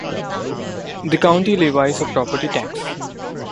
The County levies a property tax.